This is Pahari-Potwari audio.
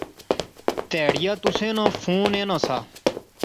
تہاڑیا تسیں ناں فون ایناں سا